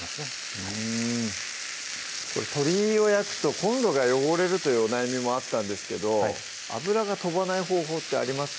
うん鶏を焼くとコンロが汚れるというお悩みもあったんですけど油が飛ばない方法ってありますか？